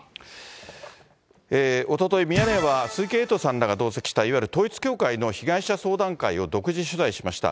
おととい、ミヤネ屋は、鈴木エイトさんらが同席した、いわゆる統一教会の被害者相談会を独自取材しました。